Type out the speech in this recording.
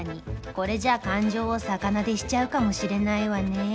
これじゃあ感情を逆なでしちゃうかもしれないわね。